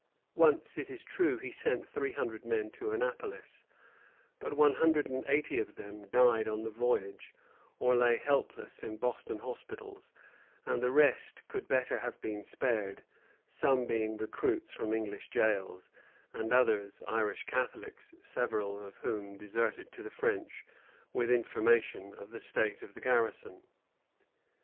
Once, it is true, he sent three hundred men to Annapolis; but one hundred and eighty of them died on the voyage, or lay helpless in Boston hospitals, and the rest could better have been spared, some being recruits from English jails, and others Irish Catholics, several of whom deserted to the French, with information of the state of the garrison.